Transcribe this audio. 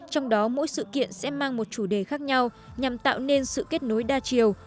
trong đó mỗi sự kiện sẽ mang một chủ đề khác nhau nhằm tạo nên sự kết nối đa chiều